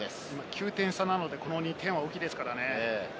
９点差なので、この２点は大きいですからね。